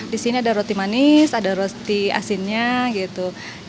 di sini ada roti manis ada roti asinnya gitu